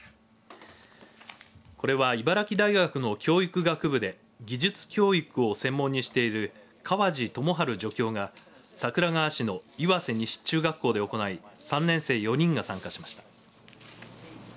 これは茨城大学の教育学部で技術教育を専門にしている川路智治助教が桜川市の岩瀬西中学校で行い３年生４人が参加しました。